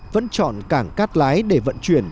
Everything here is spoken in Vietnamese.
vẫn chọn cảng cát lái để vận chuyển